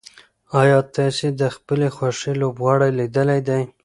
ایا تاسي د خپلې خوښې لوبغاړی لیدلی دی؟